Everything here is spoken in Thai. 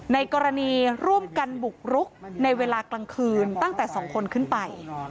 ในกรณีร่วมกันบุกรุกในเวลากลางคืนตั้งแต่๒คนขึ้นไป